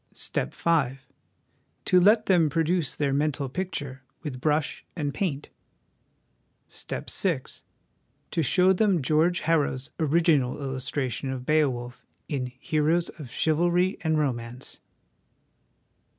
"Step V. To let them produce their mental pic ture with brush and paint. " Step VI. To show them George Harrow's 'original illustration' of Beowulf in Heroes of Chivalry and Romance?